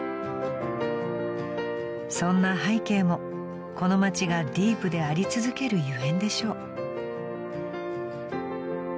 ［そんな背景もこの街がディープであり続けるゆえんでしょう］